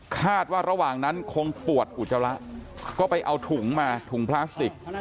คาดว่าระหว่างนั้นคงปวดอุจจาระก็ไปเอาถุงมาถุงพลาสติก